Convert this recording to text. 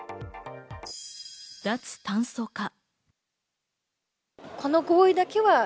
脱炭素化。